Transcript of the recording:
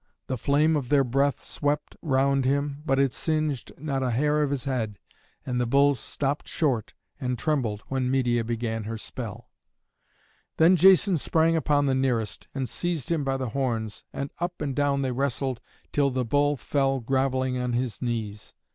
The flame of their breath swept round him, but it singed not a hair of his head. And the bulls stopped short and trembled when Medeia began her spell. Then Jason sprang upon the nearest, and seized him by the horns, and up and down they wrestled, till the bull fell groveling on his knees.